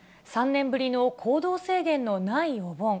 ３年ぶりの行動制限のないお盆。